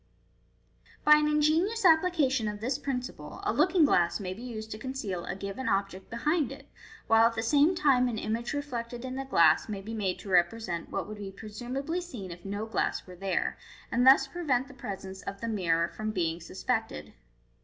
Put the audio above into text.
By an ingenious application of this principle a looking glass maybe used to conceal a given object behind it, while at the same time an image reflected in the glass may be made to represent what would be presumably seen if no glass were there, and thus prevent the presence of the mirror from being suspected.